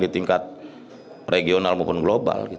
di tingkat regional maupun global